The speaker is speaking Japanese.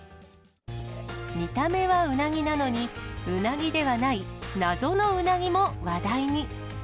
見た目はうなぎなのに、うなぎではない、謎のうなぎも話題に。